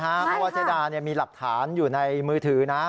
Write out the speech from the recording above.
เพราะว่าเจ๊ดามีหลักฐานอยู่ในมือถือนะ